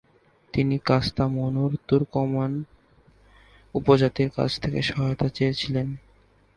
তিনি কাস্তামনুর তুর্কমেন উপজাতির কাছ থেকে সহায়তা চেয়েছিলেন।